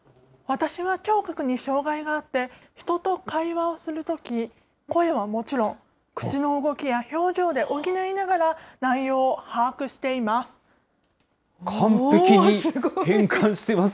私は聴覚に障害があって、人と会話をするとき、声はもちろん、口の動きや表情で補いながら、内容を把握しています。